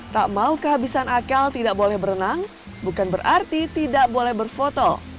tak mau kehabisan akal tidak boleh berenang bukan berarti tidak boleh berfoto